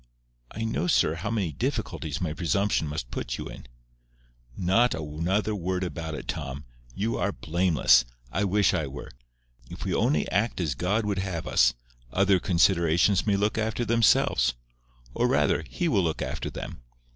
"I know, sir, how many difficulties my presumption must put you in." "Not another word about it, Tom. You are blameless. I wish I were. If we only act as God would have us, other considerations may look after themselves—or, rather, He will look after them.